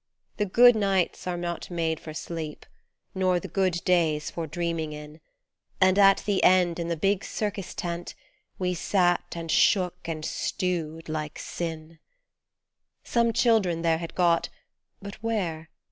The good nights are not made for sleep, nor the good days for dreaming in, And at the end in the big Circus tent we sat and shook and stewed like sin Some children there had got but where